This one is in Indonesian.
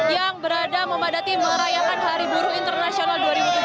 yang berada memadati merayakan hari buruh internasional dua ribu tujuh belas